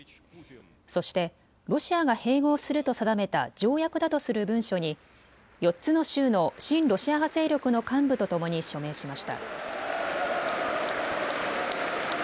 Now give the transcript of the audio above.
そしてロシアが併合すると定めた条約だとする文書に４つの州の親ロシア派勢力の幹部と共に署名しました。